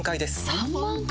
３万回⁉